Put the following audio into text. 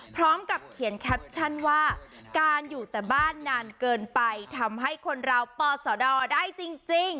พร้อมกับเขียนแคปชั่นว่าการอยู่แต่บ้านนานเกินไปทำให้คนเราปสดได้จริง